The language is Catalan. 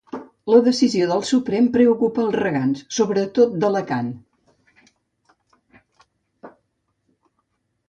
La decisió del Suprem preocupa els regants, sobretot d’Alacant.